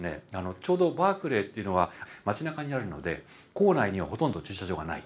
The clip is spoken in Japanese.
ちょうどバークレーっていうのは町なかにあるので構内にはほとんど駐車場がない。